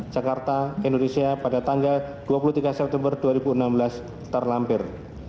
jakarta indonesia pada tanggal dua puluh tiga september dua ribu enam belas terlampir